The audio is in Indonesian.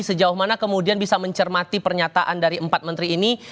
sejauh mana kemudian bisa mencermati pernyataan dari empat menteri ini